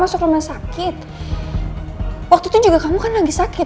masuk rumah sakit aja aku nggak enak minta sama kamu